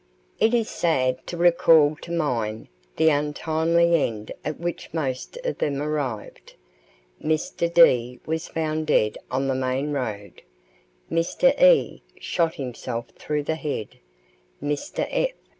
It is sad to recall to mind the untimely end at which most of them arrived. Mr. D. was found dead on the main road; Mr. E. shot himself through the head; Mr. F.